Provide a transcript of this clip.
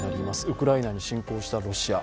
ウクライナに侵攻したロシア。